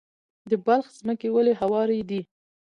د بلخ ځمکې ولې هوارې دي؟